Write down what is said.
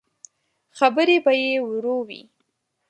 خبرې به يې ورو وې.